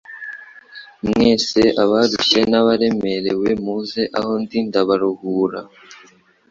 "Mwese abarushye n'abaremerewe muze aho ndi ndabaruhura."